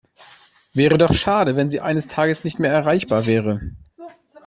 Wäre doch schade, wenn Sie eines Tages nicht mehr erreichbar wäre.